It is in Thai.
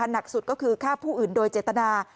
หนักสุดก็คือฆ่าผู้อื่นโดยเจตนา